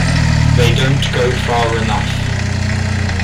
They don’t go far enough.